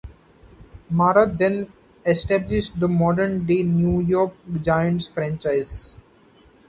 Mara then established the modern-day New York Giants franchise.